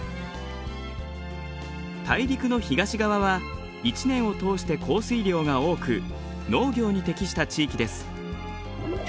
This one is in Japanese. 大陸の東側は一年を通して降水量が多く農業に適した地域です。